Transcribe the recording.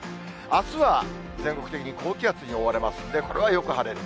あすは全国的に高気圧に覆われますんで、これはよく晴れる。